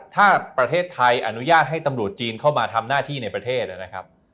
ถ้าประเทศไทยอนุญาตให้ตำรวจจีนเข้ามาทำหน้าที่ในประเทศนะครับ